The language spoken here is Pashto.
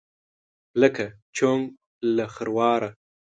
لکه: چونګ له خرواره.